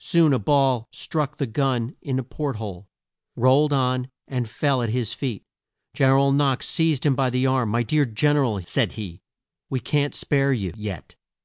Soon a ball struck the gun in the port hole, rolled on, and fell at his feet. Gen er al Knox seized him by the arm. "My dear Gen er al," said he, "we can't spare you yet."